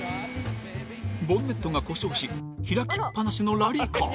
ボンネットが故障し開きっぱなしのラリーカー。